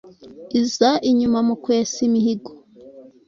iza inyuma mu kwesa imihigo